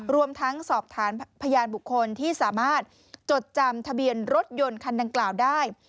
รวมทั้งสอบถามพยานบุคคลที่สามารถจดจำทะเบียนรถยนต์คันดังกล่าวได้